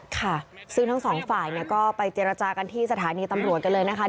ค่ะซึ่งทั้งสองฝ่ายเนี่ยก็ไปเจรจากันที่สถานีตำรวจกันเลยนะคะ